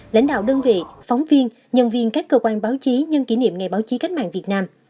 lãnh đạo đơn vị phóng viên nhân viên các cơ quan báo chí nhân kỷ niệm ngày báo chí cách mạng việt nam